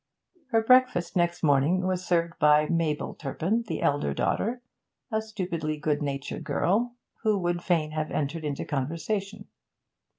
Her breakfast next morning was served by Mabel Turpin, the elder daughter, a stupidly good natured girl, who would fain have entered into conversation.